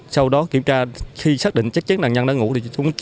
sau đó kiểm tra khi xác định chắc chắn nạn nhân đã ngủ thì